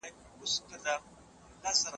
په سیاست کې د اخلاقو ځای چیرته دی؟